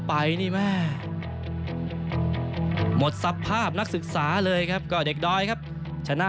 ไปนี่แม่หมดสภาพนักศึกษาเลยครับก็เด็กดอยครับชนะ